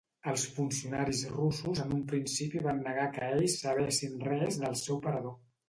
Els funcionaris russos en un principi van negar que ells sabessin res del seu parador.